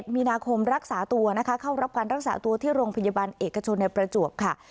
มีนาคมรักษาตัวนะคะเข้ารับการรักษาตัวที่โรงพยาบาลเอกชนในประจวบค่ะ